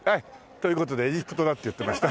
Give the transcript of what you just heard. という事でエジプトだって言ってました。